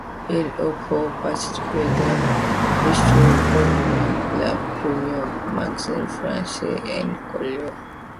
Il a eu pour particularité d'être historiquement le premier magazine français en couleurs.